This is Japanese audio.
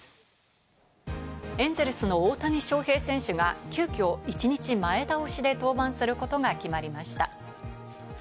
エンゼルスの大谷翔平選手が急きょ１日前倒しで登板することが決まりました。